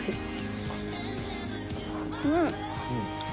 うん！